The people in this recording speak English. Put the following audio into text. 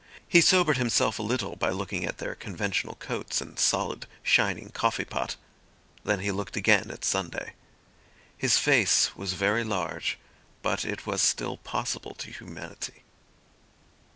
He sobered himself a little by looking at their conventional coats and solid, shining coffee pot; then he looked again at Sunday. His face was very large, but it was still possible to humanity.